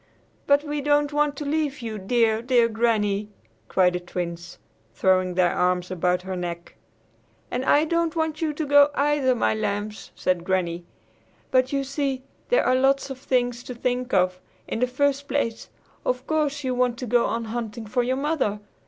"But we don't want to leave you, dear, dear Granny!" cried the Twins, throwing their arms about her neck. "And I don't want you to go, either, my lambs," said Granny; "but, you see, there are lots of things to think of. In the first place, of course you want to go on hunting for your mother.